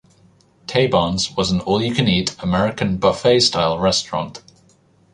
Taybarns was an all-you-can-eat American buffet-style restaurant.